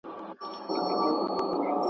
تاسي خپل موخي ته نږدې یاست.